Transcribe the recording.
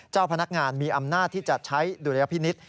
เจ้าพนักงานมีอำนาจที่จะใช้ดุลยพินิษฐ์